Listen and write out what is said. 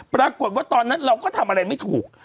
ปรากฏว่าตอนนั้นเราก็ทำอะไรไม่ถูก